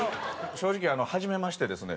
正直はじめましてですね。